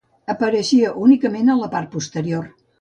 Apareixia únicament en la part posterior.